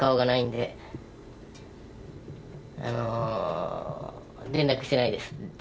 ないですね。